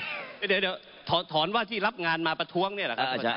หยุด๕๕๕ถอนว่าที่รับงานมาประท้วงเนี่ยหรอครับ